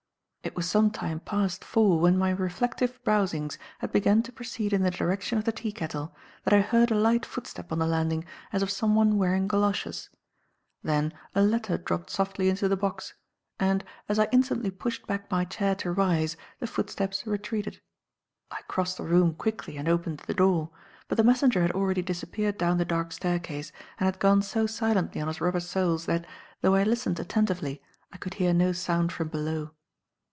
It was some time past four when my reflective browsings had begun to proceed in the direction of the teakettle, that I heard a light footstep on the landing as of someone wearing goloshes. Then a letter dropped softly into the box, and, as I instantly pushed back my chair to rise, the footsteps retreated. I crossed the room quickly and opened the door; but the messenger had already disappeared down the dark staircase, and had gone so silently on his rubber soles that, though I listened attentively, I could hear no sound from below.